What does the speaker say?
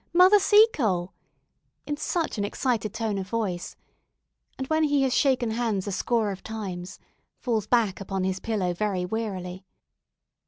Mother Seacole!" in such an excited tone of voice; and when he has shaken hands a score of times, falls back upon his pillow very wearily.